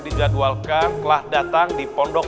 dijadwalkan telah datang di pondok